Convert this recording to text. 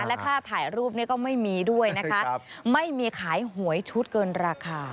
และค่าถ่ายรูปนี้ก็ไม่มีด้วยนะคะไม่มีขายหวยชุดเกินราคา